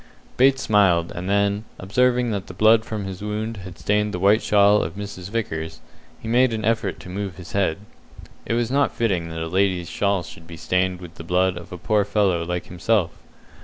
Bates smiled, and then, observing that the blood from his wound had stained the white shawl of Mrs. Vickers, he made an effort to move his head. It was not fitting that a lady's shawl should be stained with the blood of a poor fellow like himself.